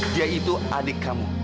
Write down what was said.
dia itu adik kamu